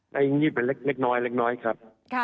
ในอิ่งนี้เป็นเล็กน้อยครับ